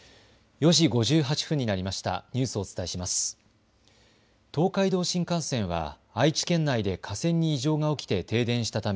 ４時５８分になりました。